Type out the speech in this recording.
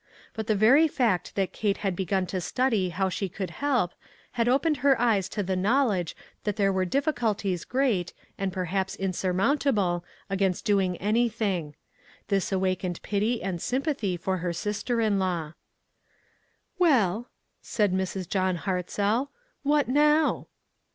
But the very fact that Kate had begun to study how she could help, had opened her eyes to the knowledge that there were difficulties great, and perhaps in surmountable, against doing anything. This THE PAST AND THE PRESENT. 189 awakened pity and sympathy for her sister in law. " Well," said Mrs. John Hartzell, " what now